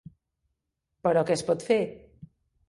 Però què es pot fer?